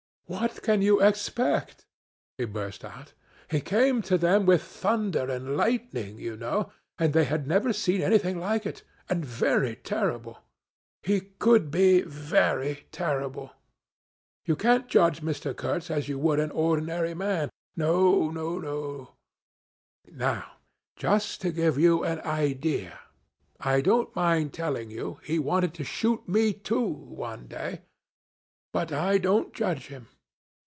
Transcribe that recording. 'What can you expect?' he burst out; 'he came to them with thunder and lightning, you know and they had never seen anything like it and very terrible. He could be very terrible. You can't judge Mr. Kurtz as you would an ordinary man. No, no, no! Now just to give you an idea I don't mind telling you, he wanted to shoot me too one day but I don't judge him.'